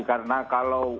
karena kalau untuk kemudian